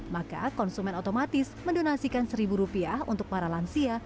maka konsumen otomatis mendonasikan seribu rupiah untuk para lansia